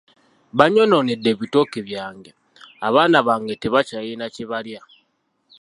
Banyonoonedde ebitooke byange, abaana bange tebakyalina kye balya.